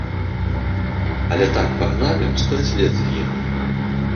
Але так пагналі, што і след згінуў.